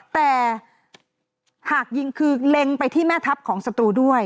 แต่หากยิงคือเล็งไปที่แม่ทัพของศัตรูด้วย